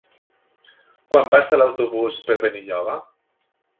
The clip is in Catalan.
Quan passa l'autobús per Benilloba?